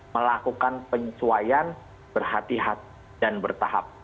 melakukan penyesuaian berhati hati dan bertahap